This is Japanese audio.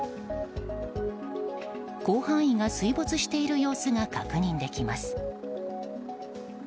広範囲が水没している様子が確認できます。